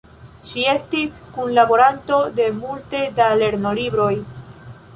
Ŝi estis kunlaboranto de multe da lernolibroj.